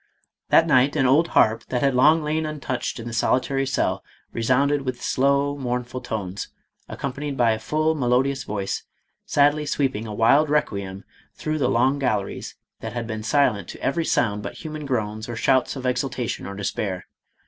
* That night an old harp that had long lain untouched in the solitary cell, resounded with slow, mournful tones, accompanied by a full, melodious voice, sadly sweeping a wild requiem through the long galleries that had been silent to every sound but human groans or shouts of exultation or despair.